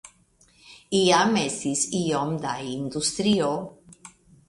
Iam estis iom da industrio.